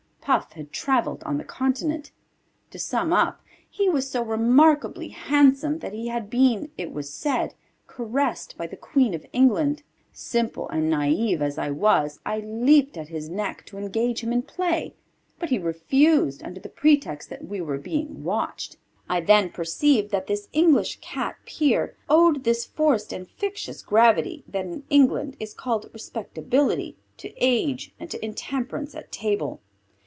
Puff had travelled on the continent. To sum up, he was so remarkably handsome that he had been, it was said, caressed by the Queen of England. Simple and naïve as I was I leaped at his neck to engage him in play, but he refused under the pretext that we were being watched. I then perceived that this English Cat Peer owed this forced and fictitious gravity that in England is called respectability to age and to intemperance at table.